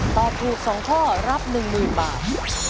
ตอบถูก๒ข้อรับ๑๐๐๐บาท